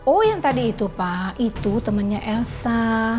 oh yang tadi itu pak itu temannya elsa